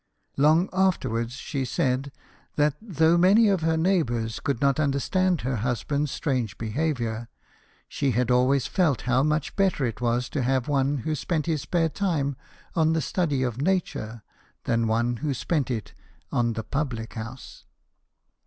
Long afterwards she said, that though many of her neighbours could not understand her husband's strange behaviour, she had always felt how much better it was to have one who THOMAS EDWARD, SHOEMAKER. 175 spent his spare time on the study of nature than one who spent it on the public house.